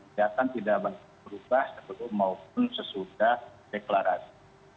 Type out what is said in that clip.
dan tidak akan berubah maupun sesudah deklarasi